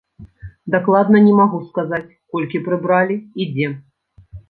Дакладна не магу сказаць, колькі прыбралі і дзе.